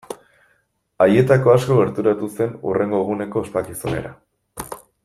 Haietako asko gerturatu zen hurrengo eguneko ospakizunera.